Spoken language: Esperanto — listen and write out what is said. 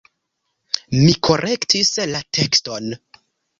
Mi korektis la tekston.